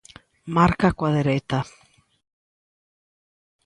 Marca coa dereita.